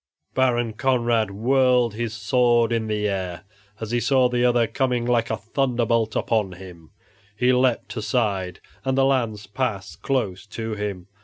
Baron Conrad whirled his sword in the air, as he saw the other coming like a thunderbolt upon him; he leaped aside, and the lance passed close to him.